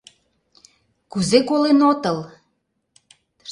— Кузе колен отыл?..